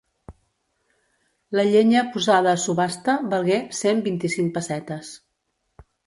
La llenya posada a subhasta valgué cent vint-i-cinc pessetes.